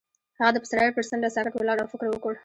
هغه د پسرلی پر څنډه ساکت ولاړ او فکر وکړ.